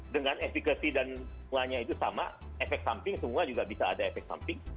dengan efekasi dan bunganya itu sama efek samping semua juga bisa ada efek samping